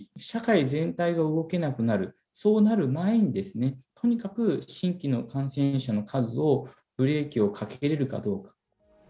社会全体が動けなくなる、そうなる前に、とにかく新規の感染者の数をブレーキをかけれるかどうか。